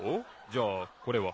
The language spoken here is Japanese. じゃあこれは？